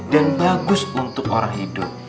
dan bagus untuk orang hidup